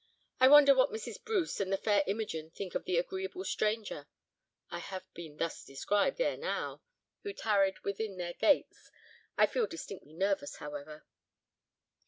I wonder what Mrs. Bruce and the fair Imogen think of the agreeable stranger (I have been thus described, ere now), who tarried within their gates. I feel distinctly nervous, however."